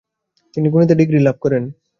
তিনি গণিতে ডিগ্রি লাভ করেন।